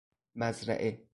مزرعه